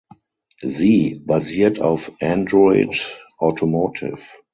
Sie basiert auf Android Automotive.